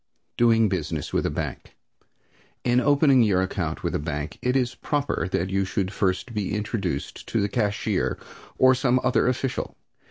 DOING BUSINESS WITH A BANK In opening your account with a bank it is proper that you should first be introduced to the cashier, or some other official.